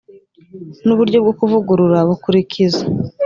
n uburyo bwo kuvugurura bukurikiza